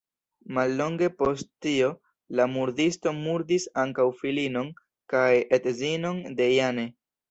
Mallonge post tio, la murdisto murdis ankaŭ filinon kaj edzinon de Jane.